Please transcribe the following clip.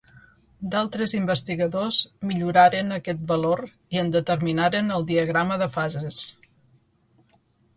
D'altres investigadors milloraren aquest valor i en determinaren el diagrama de fases.